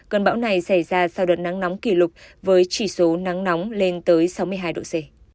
cơn bão này xảy ra sau đợt nắng nóng kỷ lục với chỉ số nắng nóng lên tới sáu mươi hai độ c